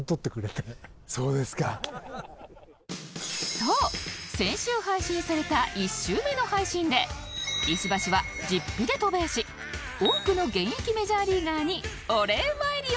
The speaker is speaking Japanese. そう先週配信された１週目の配信で石橋は実費で渡米し多くの現役メジャーリーガーにお礼参りをしていたんです